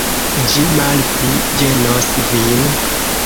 Ĝi malpli ĝenos vin.